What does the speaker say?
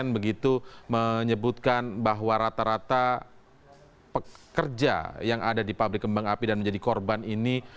begitu menyebutkan bahwa rata rata pekerja yang ada di pabrik kembang api dan menjadi korban ini